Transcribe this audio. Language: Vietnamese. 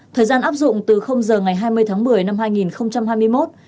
thời gian áp dụng từ giờ ngày hai mươi tháng một mươi năm hai nghìn hai mươi một